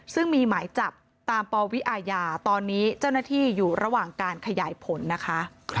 ซึ่งมีหมายจับตามปวิอาญาตอนนี้เจ้าหน้าที่อยู่ระหว่างการขยายผลนะคะ